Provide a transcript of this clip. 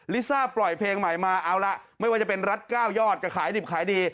ลิซ่าปล่อยเพลงใหม่มาเอาล่ะไม่ว่าจะเป็นรัฐ๙ยอดจะขายดิบขายดี